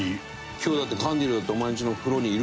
今日だってカンディルだってお前んちの風呂にいるかも。